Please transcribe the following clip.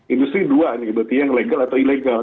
industri dua nih berarti yang legal atau ilegal